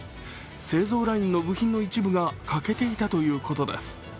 製造ラインの部品の一部が欠けていたということです。